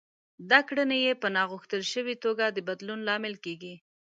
دا کړنې يې په ناغوښتل شوې توګه د بدلون لامل کېږي.